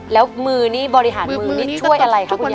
แล้วมือนี่บริหารมือนี่ช่วยอะไรคะคุณยาย